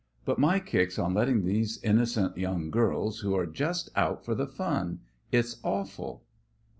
But my kick's on letting these innocent young girls who are just out for the fun it's awful!"